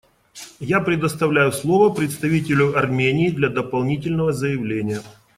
Я предоставляю слово представителю Армении для дополнительного заявления.